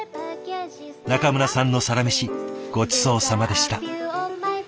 中村さんのサラメシごちそうさまでした。